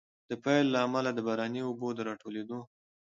د پيل له امله، د باراني اوبو د راټولېدو